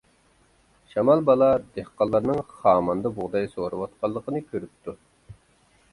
شامال بالا دېھقانلارنىڭ خاماندا بۇغداي سورۇۋاتقانلىقىنى كۆرۈپتۇ.